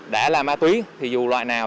đã là ma túy thì dù loại nào